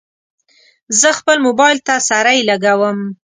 زه خپل موبایل ته سرۍ لګوم.